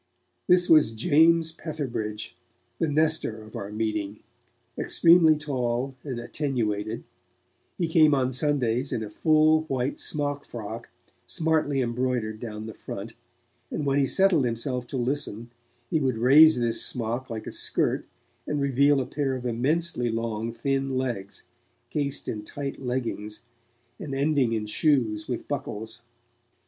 This was James Petherbridge, the Nestor of our meeting, extremely tall and attenuated; he came on Sundays in a full, white smockfrock, smartly embroidered down the front, and when he settled himself to listen, he would raise this smock like a skirt, and reveal a pair of immensely long thin legs, cased in tight leggings, and ending in shoes with buckles.